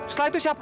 setelah itu siapa